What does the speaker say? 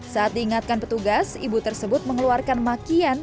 saat diingatkan petugas ibu tersebut mengeluarkan makian